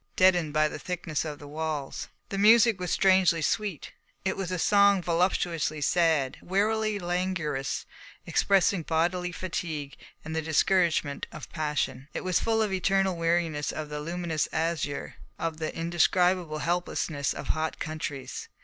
Deadened by the thickness of the walls, the music was strangely sweet. It was a song voluptuously sad, wearily languorous, expressing bodily fatigue and the discouragement of passion. It was full of the eternal weariness of the luminous azure, of the indescribable helplessness of hot countries.